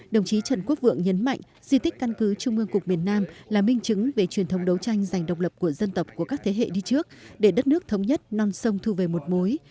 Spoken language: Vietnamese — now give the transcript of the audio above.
đồng chí trần quốc vượng nhấn mạnh di tích căn cứ trung ương cục miền nam là minh chứng về truyền thống đấu tranh giành độc lập của dân tộc của các thế hệ đi trước để đất nước thống nhất non sông thu về một mối